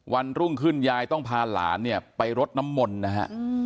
วันรุ่งขึ้นยายต้องพาหลานเนี่ยไปรดน้ำมนต์นะฮะ